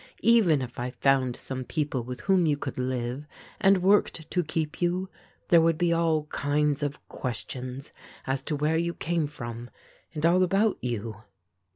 Even if I found some people with whom you could live and worked to keep you, there would be all kinds of questions as to where you came from and all about you?"